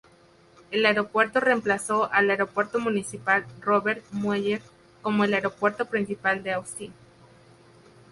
El aeropuerto reemplazó al Aeropuerto Municipal Robert Mueller como el aeropuerto principal de Austin.